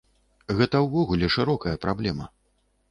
Гэта ўвогуле шырокая праблема.